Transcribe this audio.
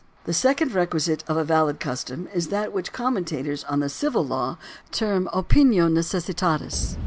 — The second requisite of a valid custom is that which commentators on the civil law term opinio necessitatis.